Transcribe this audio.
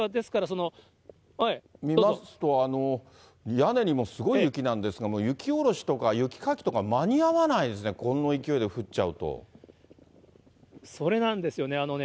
見ますと、屋根にもすごい雪なんですが、雪下ろしとか、雪かきとか間に合わないですね、それなんですよね。